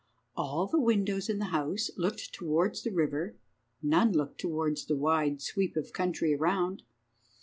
All the windows in the house looked towards the river, none looked towards the wide sweep of country around.